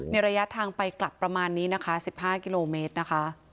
ระยะทางไปกลับประมาณนี้นะคะ๑๕กิโลเมตรนะคะ